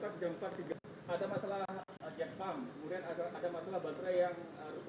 kemudian ada masalah baterai yang rusak